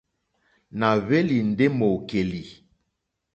Nà hwélì ndé mòòkèlì,.